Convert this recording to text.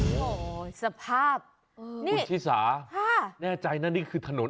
โอ้โหสภาพคุณชิสาแน่ใจนะนี่คือถนน